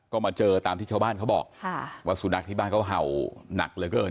ก็มาเจอตามที่ชาวบ้านเขาบอกว่าสุนัขที่บ้านเขาเห่าหนักเหลือเกิน